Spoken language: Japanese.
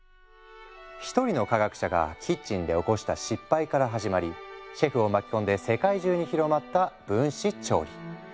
一人の科学者がキッチンで起こした失敗から始まりシェフを巻き込んで世界中に広まった分子調理。